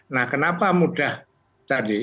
nah kenapa mudah tadi